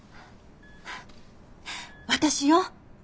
私よ。